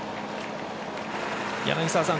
柳澤さん